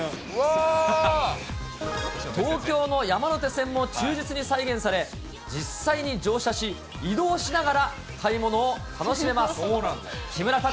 東京の山手線も忠実に再現され、実際に乗車し、移動しながら買い物を楽しめます。